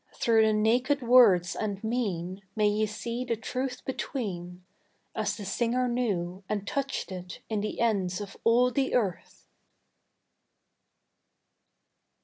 Through the naked words and mean May ye see the truth between As the singer knew and touched it in the ends of all the Earth!